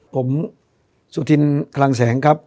ผมสุธินคลังแสงครับ